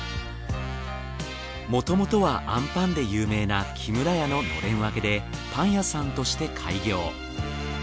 もともとはあんぱんで有名な木村屋ののれん分けでパン屋さんとして開業。